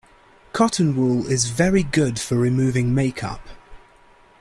Cotton wool is very good for removing make-up